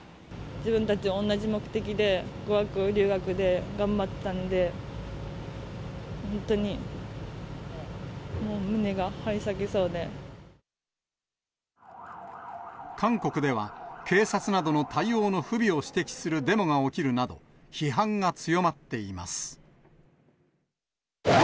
自分たち、同じ目的で、語学留学で頑張ってたので、韓国では、警察などの対応の不備を指摘するデモが起きるなど、批判が強まっています。